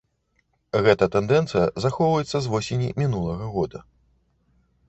Гэтая тэндэнцыя захоўваецца з восені мінулага года.